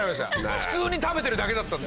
普通に食べてるだけだったんで。